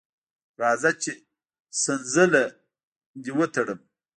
راځه چې څنځله دې وتړم.